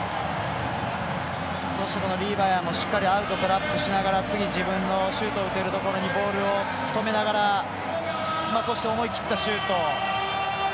そしてリバヤもしっかりアウトトラップしながら次、自分のシュートを打てるところにボールを止めながらそして、思い切ったシュート。